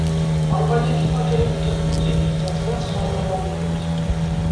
Արբանյակի մակերևույթը մուգ է և ծածկված խառնարաններով։